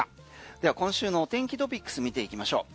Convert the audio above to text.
では今週の天気トピックス見ていきましょう。